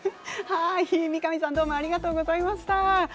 三上さんどうもありがとうございました。